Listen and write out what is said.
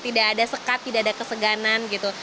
tidak ada sekat tidak ada keseganan gitu